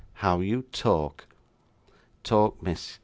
'How you talk!' 'Talk, miss!